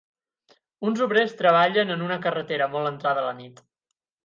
Uns obrers treballen en una carretera molt entrada la nit.